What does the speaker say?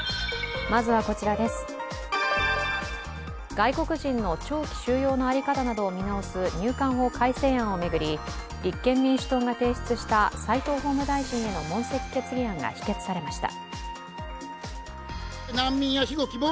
外国人の長期収容の在り方などを見直す入管法改正案を巡り立憲民主党が提出した齋藤法務大臣への問責決議案が否決されました。